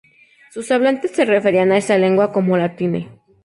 Sus hablantes se referían a esa lengua como "latine".